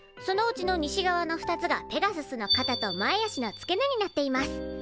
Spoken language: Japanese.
そのうちの西側の２つがペガススのかたと前足の付け根になっています。